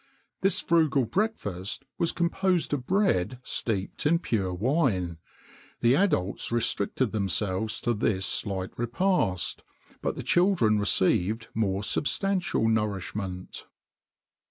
[XXIX 35] This frugal breakfast was composed of bread steeped in pure wine.[XXIX 36] The adults restricted themselves to this slight repast, but the children received more substantial nourishment.